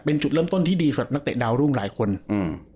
เป็นจุดเริ่มต้นที่ดีสำหรับนักเตะดาวรุ่งหลายคนอืม